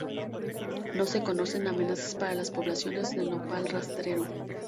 No se conocen amenazas para las poblaciones de nopal rastrero.